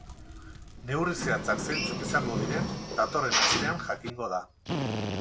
Neurri zehatzak zeintzuk izango diren datorren astean jakingo da.